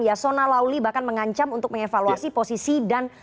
ya sona lauli bahkan mengancam untuk mengevaluasi posisi dan